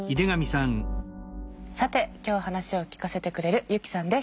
さて今日話を聞かせてくれるユキさんです。